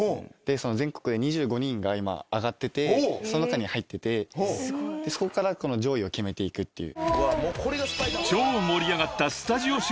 全国で２５人があがっててその中には入っててそこからこの上位を決めていくっていう。